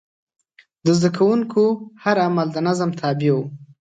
د زده کوونکو هر عمل د نظم تابع و.